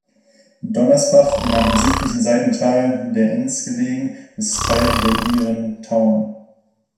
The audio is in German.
Donnersbach, in einem südlichen Seitental der Enns gelegen, ist Teil der Niederen Tauern.